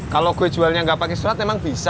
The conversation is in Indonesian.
kalau gue jualnya gak pakai surat emang bisa